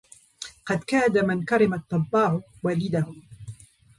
قد كاد من كرم الطباع وليدهم